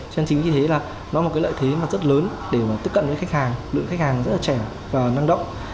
cho nên chính vì thế là nó là một cái lợi thế mà rất lớn để mà tiếp cận với khách hàng lượng khách hàng rất là trẻ và năng động